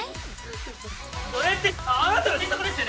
そそれってあなたの推測ですよね？